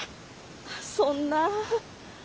そんな。